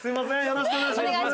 よろしくお願いします。